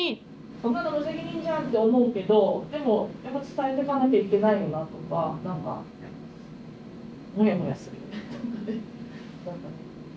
「そんなの無責任じゃん」って思うけど「でもやっぱ伝えていかなきゃいけないよな」とか何かモヤモヤするよねちょっとね何か。